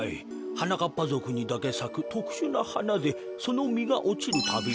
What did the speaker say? はなかっぱぞくにだけさくとくしゅなはなでそのみがおちるたびに。